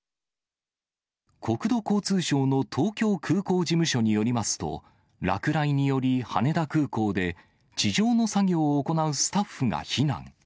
国土交通省の東京空港事務所によりますと、落雷により、羽田空港で地上の作業を行うスタッフが避難。